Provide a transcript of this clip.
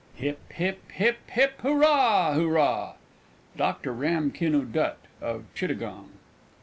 Hip, Hip, Hip, Hip, Hurrah! Hurrah! _Dr Ram Kinoo Dutt (of Chittagong).